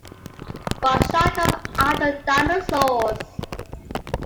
What shall come after the dinosaurs!